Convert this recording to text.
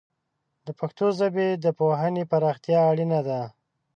د پښتو ژبې د پوهنې پراختیا اړینه ده.